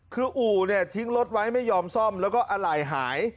คืออู่เนี่ยทิ้งรถไว้ไม่ยอมซ่อมแล้วก็อะไหล่หาย